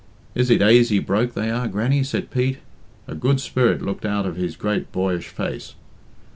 "Is it aisy broke they are, Grannie?" said Pete. A good spirit looked out of his great boyish face.